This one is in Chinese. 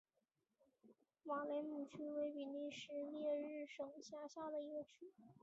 瓦雷姆区为比利时列日省辖下的一个区。